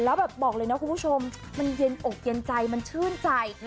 แล้วแบบบอกเลยนะคุณผู้ชมมันเย็นอกเย็นใจมันชื่นใจ